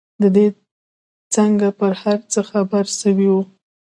دى څنگه پر هر څه خبر سوى و.